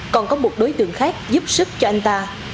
còn có một đối tượng khác giúp sức cho anh ta